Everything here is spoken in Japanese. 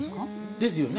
ですよね？